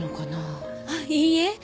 あっいいえ。